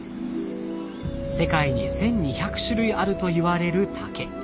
世界に１，２００種類あるといわれる竹。